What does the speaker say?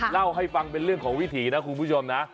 เล่าให้ฟังเป็นเรื่องของวิถีนะคุณผู้ชมนะ